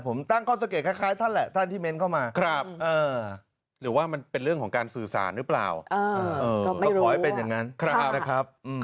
ผมตั้งค้นสังเกษนใจคล้ายท่านแหละท่านที่เม้นเข้ามา